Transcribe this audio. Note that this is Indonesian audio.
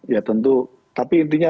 ya tentu tapi intinya